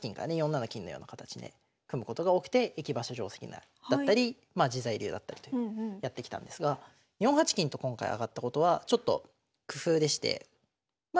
４七金のような形で組むことが多くて駅馬車定跡だったり自在流だったりとやってきたんですが４八金と今回上がったことはちょっと工夫でしてま